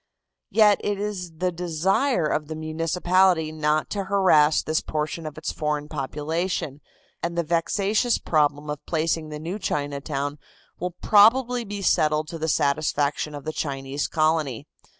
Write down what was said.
Yet it is the desire of the municipality not to harass this portion of its foreign population, and the vexatious problem of placing the new Chinatown will probably be settled to the satisfaction of the Chinese colony.